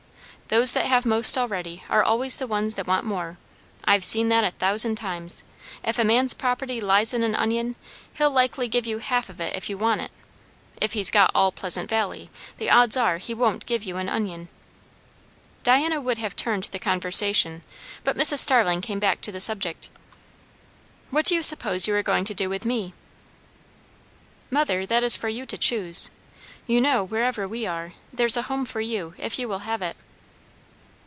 "Those that have most already are always the ones that want more. I've seen that a thousand times. If a man's property lies in an onion, he'll likely give you half of it if you want it; if he's got all Pleasant Valley, the odds are he won't give you an onion." Diana would have turned the conversation, but Mrs. Starling came back to the subject. "What do you suppose you are going to do with me?" "Mother, that is for you to choose. You know, where ever we are, there's a home for you if you will have it."